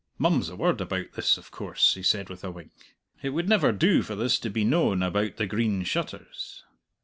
"Mum's the word about this, of course," he said with a wink. "It would never do for this to be known about the 'Green Shutters.'"